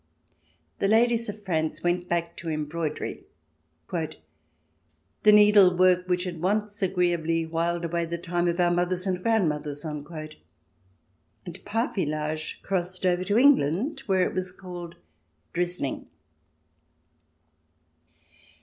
The ladies of France went back to embroidery, " the needlework which had once agreeably whiled away the time of our mothers and grandmothers," and parfilage crossed over to England, where it was called " drizzhng."